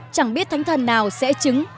chẳng biết thánh thần nào sẽ chứng